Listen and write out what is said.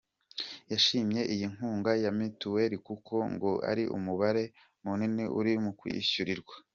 Yashimye iyi nkunga ya mituweli kuko ngo ari umubare munini urimo kuzishyurirwa.